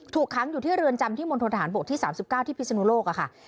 ค้างอยู่ที่เรือนจำที่มณฑนฐานบกที่๓๙ที่พิศนุโลกค่ะ